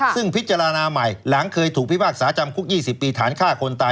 ซึ่งพิจารณาใหม่หลังเคยถูกพิพากษาจำคุก๒๐ปีฐานฆ่าคนตาย